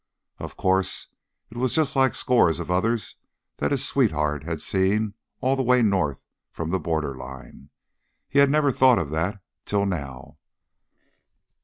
Of course, it was just like scores of others that his sweetheart had seen all the way north from the border line. He had never thought of that till now.